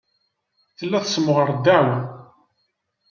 Tella tessemɣar ddeɛwa.